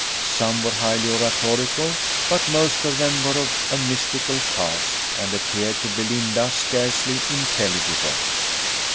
Some were highly oratorical, but most of them were of a mystical cast, and appeared to Belinda scarcely intelligible.